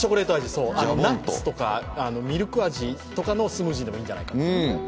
ナッツとかミルク味のスムージーでもいいんじゃないかと。